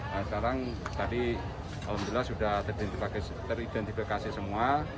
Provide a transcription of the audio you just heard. nah sekarang tadi alhamdulillah sudah teridentifikasi semua